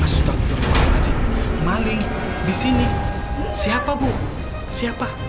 sudah maling di sini siapa bu siapa